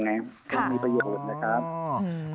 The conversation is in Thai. ยังมีประโยชน์นะครับ